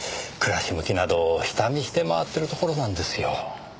暮らし向きなど下見して回っているところなんですよ。